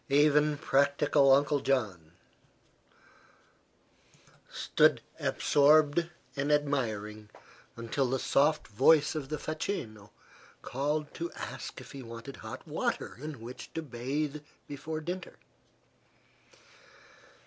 Even practical Uncle John stood absorbed and admiring until the soft voice of the facchino called to ask if he wanted hot water in which to bathe before dinner.